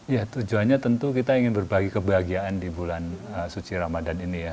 ya tujuannya tentu kita ingin berbagi kebahagiaan di bulan suci ramadan ini ya